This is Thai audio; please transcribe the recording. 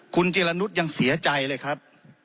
คุณจิรนุษย์ยังเสียใจเลยครับ